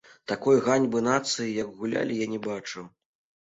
Такой ганьбы нацыі, як гулялі, я не бачыў.